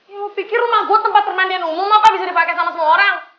ya lu pikir rumah gua tempat permandian umum apa bisa dipake sama semua orang